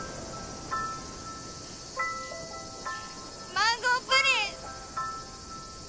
マンゴープリン。